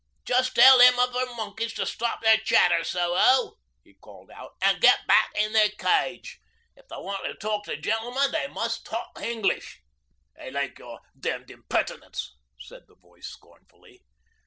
'Just tell them other monkeys to stop their chatter, Soho,' he called out, 'an' get back in their cage. If they want to talk to gen'l'men they must talk English.' 'I like your d d impertinence,' said the voice scornfully.